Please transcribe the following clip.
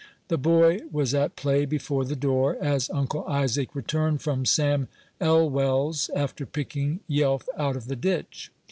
The boy was at play before the door, as Uncle Isaac returned from Sam Elwell's, after picking Yelf out of the ditch.